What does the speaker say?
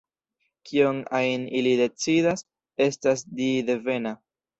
Kion ajn ili decidas, estas di-devena.